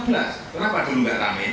tahun ini kan serentak pak